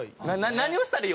何をしたらいい？